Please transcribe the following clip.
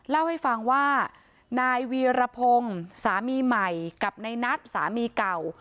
เล่าให้ฟังว่านายวีรพงศ์สามีใหม่กับในนัทสามีเก่า